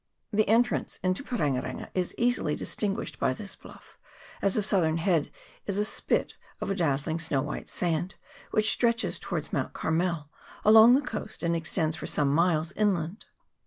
The entrance into Parenga renga is easily distinguished by this bluff, as the southern head is a spit of a dazzling snow white sand, which stretches towards Mount Carmel along the coast, and extends for some miles inland.